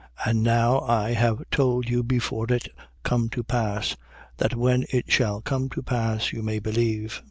And now I have told you before it come to pass: that when it shall come to pass, you may believe.